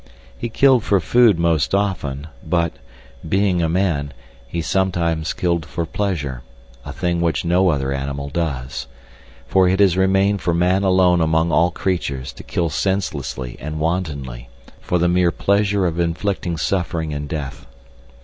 He killed for food most often, but, being a man, he sometimes killed for pleasure, a thing which no other animal does; for it has remained for man alone among all creatures to kill senselessly and wantonly for the mere pleasure of inflicting suffering and death.